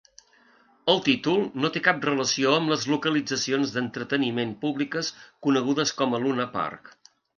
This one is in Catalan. El títol no té cap relació amb les localitzacions d'entreteniment públiques conegudes com a Luna Park.